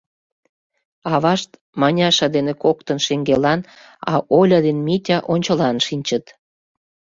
Авашт Маняша дене коктын шеҥгелан, а Оля ден Митя ончылан шинчыт.